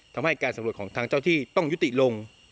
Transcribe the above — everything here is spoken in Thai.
ทำให้การสำรวจของทางเจ้าที่ต้องยุติลง